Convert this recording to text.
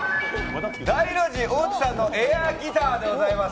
ダイノジ大地さんのエアギターでございます。